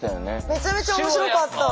めちゃめちゃ面白かった。